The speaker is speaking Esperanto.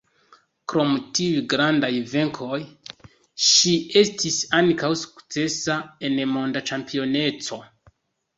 Krom tiuj grandaj venkoj ŝi estis ankaŭ sukcesa en Monda ĉampioneco.